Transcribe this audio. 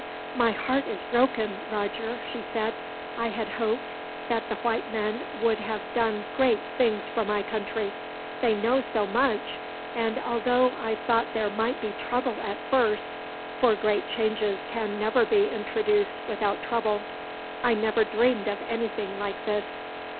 "My heart is broken, Roger," she said. "I had hoped that the white men would have done great things for my country. They know so much, and although I thought there might be trouble at first, for great changes can never be introduced without trouble, I never dreamed of anything like this.